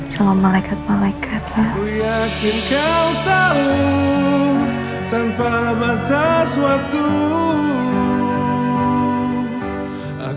selama malaikat malaikat ya